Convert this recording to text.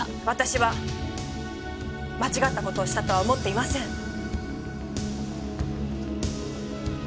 私は間違った事をしたとは思っていません。